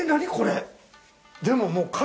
でももう。